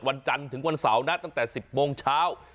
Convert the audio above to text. วันจันทร์ถึงวันเสาร์นะตั้งแต่๑๐โมงเช้า